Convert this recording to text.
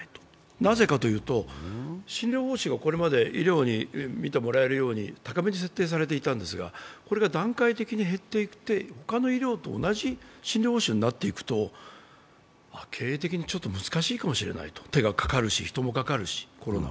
なぜかというと、診療報酬がこれまで高めに設定されていたんですがこれが段階的にほかの医療と同じ診療報酬になっていくと、経営的にちょっと難しいかもしれない、手がかかるし、人がかかるし、コロナは。